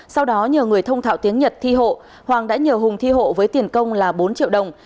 sau đó nhờ người thông thạo tiếng nhật thi hộ hoàng đã nhờ hùng thi hộ với tiền công là bốn triệu đồng